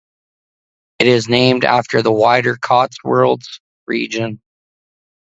It is named after the wider Cotswolds region.